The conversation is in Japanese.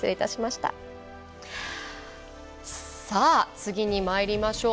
次にまいりましょう。